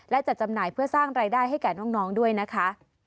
และจัดจำหน่ายเพื่อสร้างรายได้ให้แก่น้องด้วยนะคะ